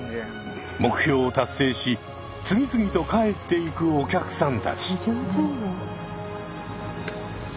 目標を達成し次々と帰っていくお客さんたち。